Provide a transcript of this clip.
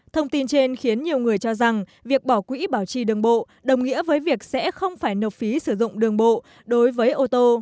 thông tin trên khiến nhiều người cho rằng việc bỏ quỹ bảo trì đường bộ đồng nghĩa với việc sẽ không phải nộp phí sử dụng đường bộ đối với ô tô